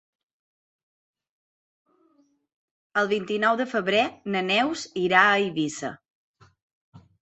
El vint-i-nou de febrer na Neus irà a Eivissa.